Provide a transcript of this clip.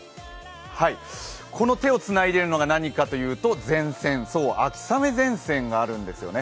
この手をつないでいるのが何かというと前線、そう秋雨前線があるんですよね。